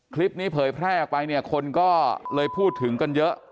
เผยแพร่ออกไปเนี่ยคนก็เลยพูดถึงกันเยอะ